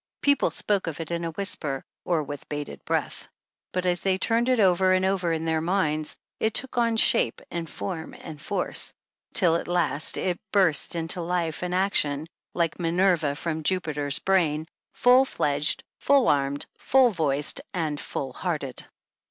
People spoke of it in a whisper, or with bated breath ; but as they turned it over and over in their minds, it took on shape and form and force, till at last it burst into life and action like Minerva from Jupiter's brain — full fledged, full armed, full voiced and full hearted.